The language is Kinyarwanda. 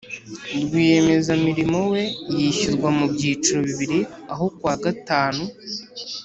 Rwiyemezamirimo we yishyurwa mu byiciro bibiri aho ku wa gatanu